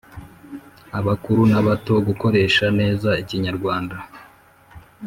abakuru n’abato, gukoresha neza ikinyarwanda,